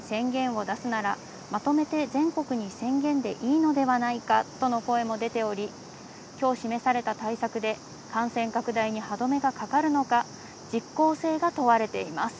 専門家からはこれだけの地域に宣言を出すならまとめて全国に宣言でいいのではないかとの声も出ており、今日示された対策で感染拡大に歯止めがかかるのか実効性が問われています。